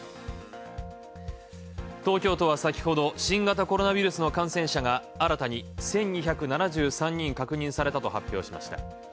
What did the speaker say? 東京都は先ほど、新型コロナウイルスの感染者が新たに１２７３人確認されたと発表しました。